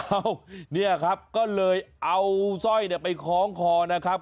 เนี่ยครับก็เลยเอาสร้อยไปคล้องคอนะครับ